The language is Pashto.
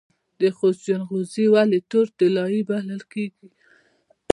د خوست جلغوزي ولې تور طلایی بلل کیږي؟